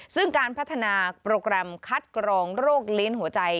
ซึ่งการพัฒนาโปรแกรมคัดกรองโรคลิ้นหัวใจ